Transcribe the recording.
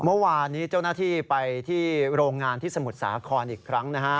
เมื่อวานนี้เจ้าหน้าที่ไปที่โรงงานที่สมุทรสาครอีกครั้งนะฮะ